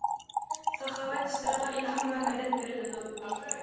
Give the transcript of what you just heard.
ساخاۋەت ئىشلىرىغا ئىلھام ۋە مەدەت بېرىلىدۇ.